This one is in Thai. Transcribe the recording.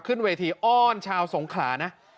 ขึ้นเวทีอ้อนชาวสงขลานะ